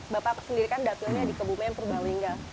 bapak sendiri kan dapurnya di kebumen purba wenga